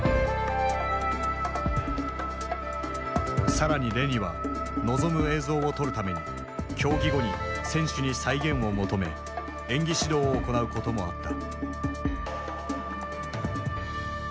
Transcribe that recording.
更にレニは望む映像を撮るために競技後に選手に再現を求め演技指導を行うこともあった。